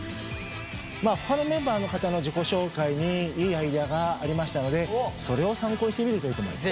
ほかのメンバーの方の自己紹介にいいアイデアがありましたのでそれを参考にしてみるといいと思います。